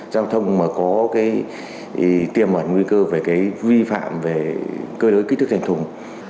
giao thông mà có cái tiềm ẩn nguy cơ về cái vi phạm về cơi đối kích thức thành thùng